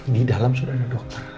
di dalam sudah ada dokter